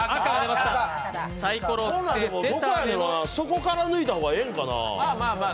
底から抜いた方がええんかな？